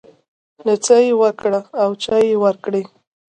نڅا يې وکړه او چای يې ورکړ.